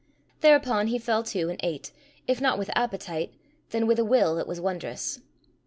Thereupon he fell to, and ate, if not with appetite, then with a will that was wondrous.